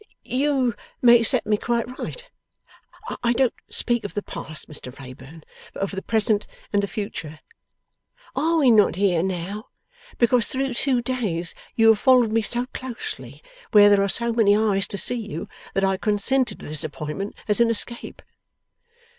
You may set me quite right. I don't speak of the past, Mr Wrayburn, but of the present and the future. Are we not here now, because through two days you have followed me so closely where there are so many eyes to see you, that I consented to this appointment as an escape?